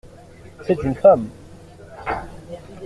C'est une femme.